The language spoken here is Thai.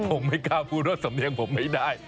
ผมไม่กล้าพูดว่าสำเนียงผมไม่ได้